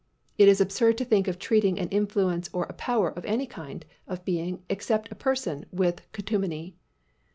It is absurd to think of treating an influence or a power or any kind of being except a person with contumely.